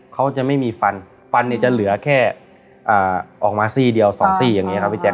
เขาจะไม่มีฟันฟันเนี่ยจะเหลือแค่ออกมาซี่เดียวสองซี่อย่างนี้ครับพี่แจ